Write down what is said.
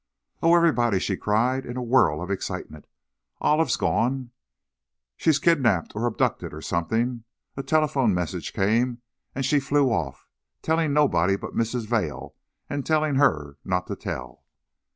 "Oh, everybody," she cried, in a whirl of excitement, "Olive's gone! She's kidnaped or abducted or something. A telephone message came and she flew off, telling nobody but Mrs. Vail, and telling her not to tell!"